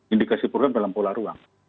indikasi program dalam pola ruang